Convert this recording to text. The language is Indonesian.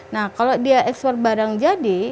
nah kalau dia ekspor barang jadi